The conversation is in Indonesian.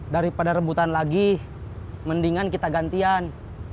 daripada rebutan lagi mendingan kita gantian